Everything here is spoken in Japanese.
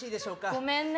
ごめんね。